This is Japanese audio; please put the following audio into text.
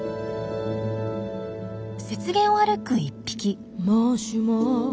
雪原を歩く１匹。